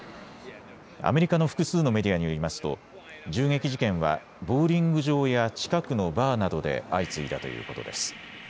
アメリカの複数のメディアによりますと銃撃事件はボウリング場や近くのバーなどで相次いだということです。